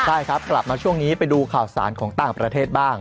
ใช่ครับกลับมาช่วงนี้ไปดูข่าวสารของต่างประเทศบ้าง